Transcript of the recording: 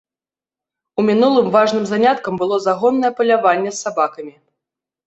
У мінулым важным заняткам было загоннае паляванне з сабакамі.